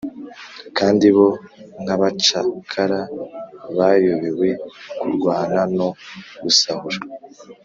kandi bo, nkabacakara bayobewe kurwana no gusahura,